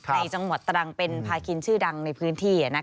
ในจังหวัดตรังเป็นพาคินชื่อดังในพื้นที่